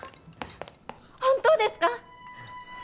本当ですか？